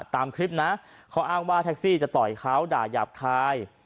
ตามคลิปนะเขาอ้างว่าแท็กซี่จะต่อยเขาด่ายาบคาย